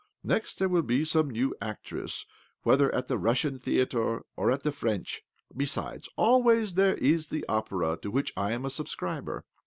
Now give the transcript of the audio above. Next there will be some new actress — whether at the Russian theatre or at the French. Besides, always there is the Opera, to which I am a subscriber.